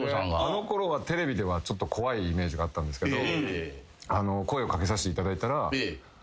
あの頃はテレビではちょっと怖いイメージがあったんですけど。